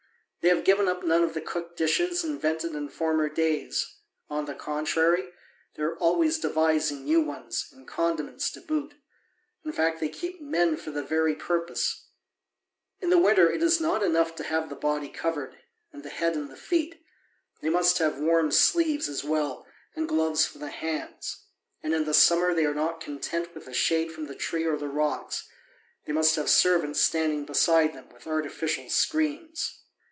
They have given up none of the cooked dishes invented in former days; on the contrary, they are always devising new ones, and condiments to boot: in fact, they keep men for the very purpose. In the winter it is not enough to have the body covered, and the head and the feet, they must have warm sleeves as well and gloves for the hands: and in the summer they are not content with the shade from the trees or the rocks, they must have servants standing beside them with artificial screens.